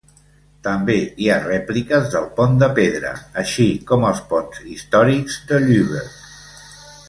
També hi ha rèpliques del Pont de Pedra, així com els ponts històrics de Lübeck.